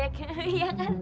ini belum dihidupin